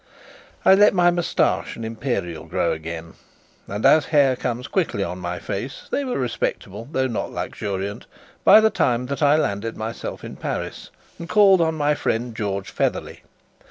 I let my moustache and imperial grow again; and as hair comes quickly on my face, they were respectable, though not luxuriant, by the time that I landed myself in Paris and called on my friend George Featherly.